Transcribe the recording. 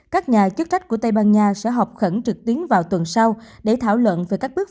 các nhà chức trách của tây ban nha sẽ họp khẩn trực tuyến vào tuần sau để thảo luận về các bước